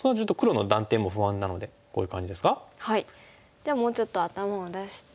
じゃあもうちょっと頭を出して。